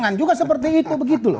dan juga seperti itu begitu loh